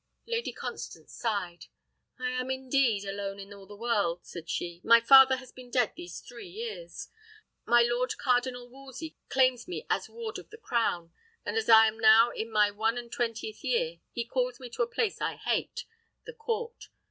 Lady Constance sighed. "I am indeed alone in all the world," said she. "My father has been dead these three years. My Lord Cardinal Wolsey claims me as ward of the crown; and as I am now in my one and twentieth year, he calls me to a place I hate: the court.